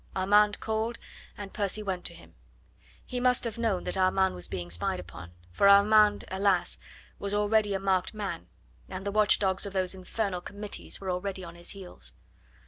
Armand called and Percy went to him. He must have known that Armand was being spied upon, for Armand, alas! was already a marked man, and the watch dogs of those infernal committees were already on his heels.